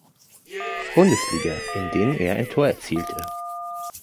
Bundesliga, in denen er ein Tor erzielte.